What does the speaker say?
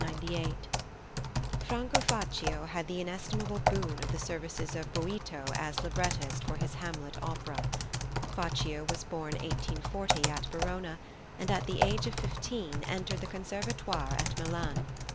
+Franco Faccio+ had the inestimable boon of the services of Boito as librettist for his Hamlet opera. Faccio was born 1840, at Verona, and at the age of fifteen entered the Conservatoire at Milan.